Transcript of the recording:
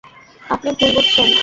আপনি ভুল বুঝছেন।